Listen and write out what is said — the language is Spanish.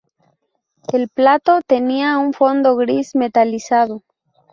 El plató tenía un fondo gris metalizado.